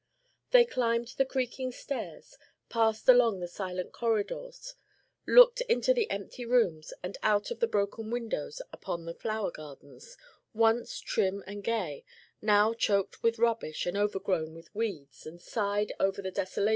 They climbed the creaking stairs, passed along the silent corridors, looked into the empty rooms, and out of the broken windows upon the flower gardens, once trim and gay, now choked with rubbish, and overgrown with weeds, and sighed over the desolations of war.